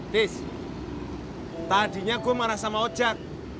tis tadinya gue marah sama ojek